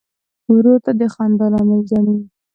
ورور ته د خندا لامل ګڼې.